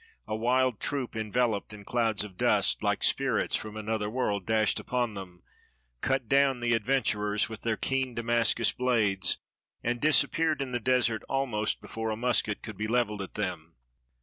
A wild troop, enveloped in clouds of dust, like spirits from another world, dashed upon them, cut down the adventurers with their keen Damascus blades, and disappeared in the desert almost before a musket could be leveled at them.